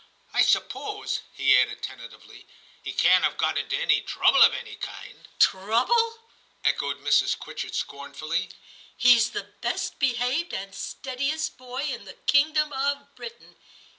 I suppose,' he added XI TIM 239 tentatively, *he can't have got into any trouble of any kind ?'* Trouble!' echoed Mrs. Quitchett scorn fully; *he's the best behaved and steadiest boy in the kingdom of Britain.